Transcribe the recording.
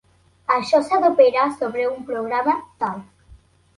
Això s'ha d'operar sobre un programa tal.